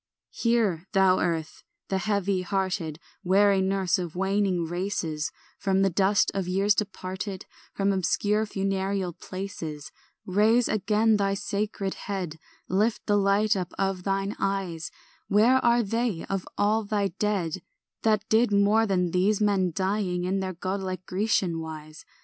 ANT. 5 Hear, thou earth, the heavy hearted Weary nurse of waning races; From the dust of years departed, From obscure funereal places, Raise again thy sacred head, Lift the light up of thine eyes Where are they of all thy dead That did more than these men dying In their godlike Grecian wise?